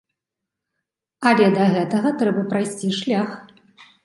Але да гэтага трэба прайсці шлях.